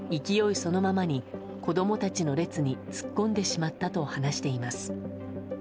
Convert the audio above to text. そのままに子供たちの列に突っ込んでしまったと話しています。